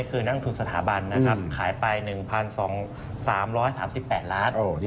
คือนักทุนสถาบันขายไป๑๒๓๘ล้าส